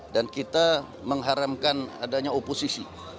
dan kita mengharamkan adanya oposisi